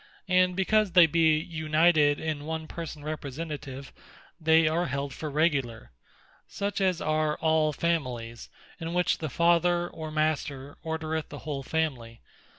And because they be united in one Person Representative, they are held for Regular; such as are all Families, in which the Father, or Master ordereth the whole Family.